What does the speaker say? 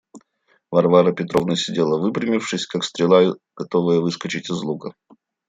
Варвара Петровна сидела выпрямившись, как стрела, готовая выскочить из лука.